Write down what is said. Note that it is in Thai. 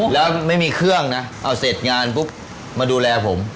แล้วไม่มีเครื่องนะเอาเสร็จงานปุ๊บมาดูแลผม